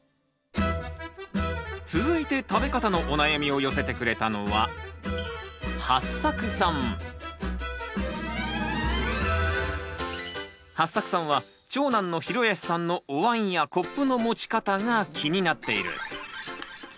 続いて食べ方のお悩みを寄せてくれたのははっさくさんは長男のひろやすさんのおわんやコップの持ち方が気になっている。